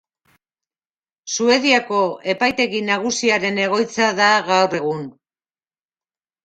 Suediako Epaitegi Nagusiaren egoitza da gaur egun.